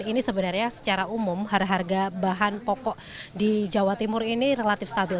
ini sebenarnya secara umum harga harga bahan pokok di jawa timur ini relatif stabil